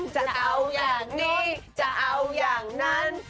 จะเอาอย่างนี้จะเอาอย่างนั้น